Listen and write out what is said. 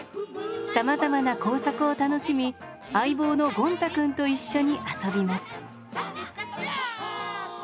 さまざまな工作を楽しみ相棒のゴン太くんと一緒に遊びます。